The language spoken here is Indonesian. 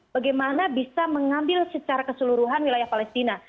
bagaimana bisa mengambil secara keseluruhan wilayah palestina